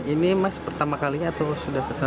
ini mas pertama kalinya atau sudah selesai